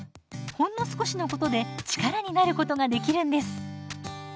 ほんの少しのことで力になることができるんです。